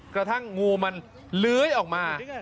กระทั่งงูมันเลื้อยออกมา